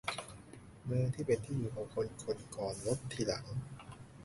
เมืองเป็นที่อยู่ของคนคนก่อน รถทีหลัง